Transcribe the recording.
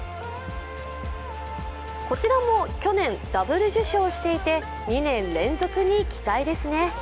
こちらも去年、ダブル受賞していて２年連続に期待ですね。